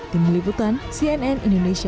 tim liputan cnn indonesia